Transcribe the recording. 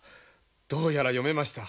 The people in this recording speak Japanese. どうやら読めました。